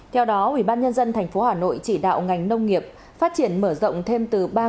theo đó ủy ban nhân dân thành phố hà nội chỉ đạo ngành nông nghiệp phát triển mở rộng thêm từ ba